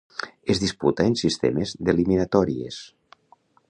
Es disputa en sistema d'eliminatòries.